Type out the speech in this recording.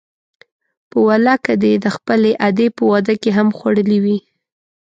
په والله که دې د خپلې ادې په واده کې هم خوړلي وي.